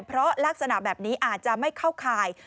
เพราะลักษณะแบบนี้อาจจะไม่เข้าข่าย